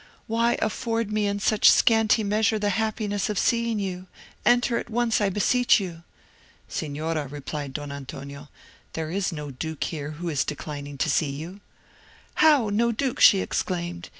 Why afford me in such scanty measure the happiness of seeing you; enter at once, I beseech you." "Signora," replied Don Antonio, "there is no duke here who is declining to see you." "How, no duke!" she exclaimed.